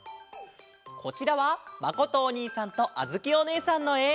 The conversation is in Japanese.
こちらはまことおにいさんとあづきおねえさんのえ。